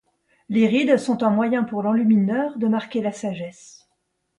Les rides sont un moyen pour l'enlumineur de marquer la sagesse.